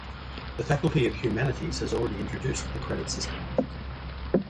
The Faculty of Humanities has already introduced the credit system.